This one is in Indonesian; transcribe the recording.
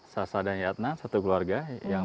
sasa dan yatna satu keluarga yang